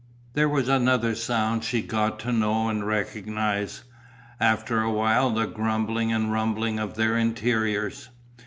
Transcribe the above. There was another sound she got to know and recognize, after a while, the grumbling and rumbling of their interiors.